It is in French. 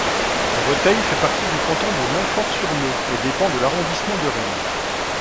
Breteil fait partie du canton de Montfort-sur-Meu et dépend de l'arrondissement de Rennes.